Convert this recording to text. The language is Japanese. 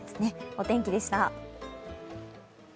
お天気でした。